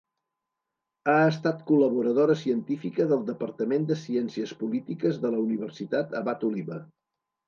Ha estat col·laboradora científica del Departament de Ciències Polítiques de la Universitat Abat Oliba.